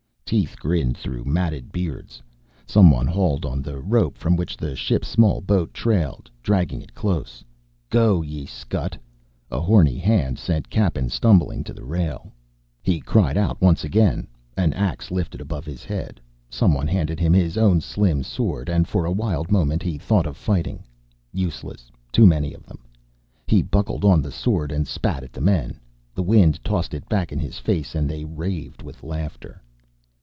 Teeth grinned through matted beards. Someone hauled on the rope from which the ship's small boat trailed, dragging it close. "Go, ye scut!" A horny hand sent Cappen stumbling to the rail. He cried out once again. An ax lifted above his head. Someone handed him his own slim sword, and for a wild moment he thought of fighting. Useless too many of them. He buckled on the sword and spat at the men. The wind tossed it back in his face, and they raved with laughter.